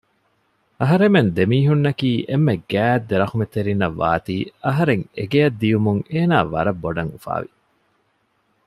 އަހަރެމެން ދެމީހުންނަކީ އެންމެ ގާތް ދެ ރަޙުމަތްތެރިންނަށް ވާތީ އަހަރެން އެގެއަށް ދިޔުމުން އޭނާ ވަރަށް ބޮޑަށް އުފާވި